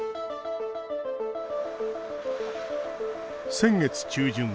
先月中旬。